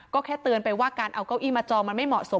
ก็แค่เตือนไปว่าการเอาเก้าอี้มาจองมันไม่เหมาะสม